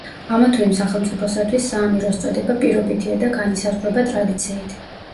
ამა თუ იმ სახელმწიფოსათვის საამიროს წოდება პირობითია და განისაზღვრება ტრადიციით.